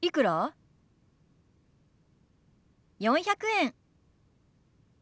４００円。